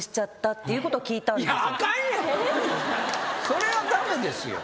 それは駄目ですよ。